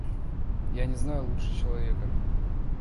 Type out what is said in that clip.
Я не знаю лучше человека.